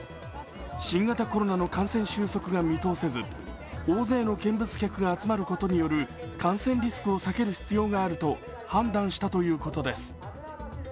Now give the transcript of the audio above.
新型コロナの感染収束が見通せず大勢の見物客が集まることによる感染リスクを避ける必要があると判断したということです。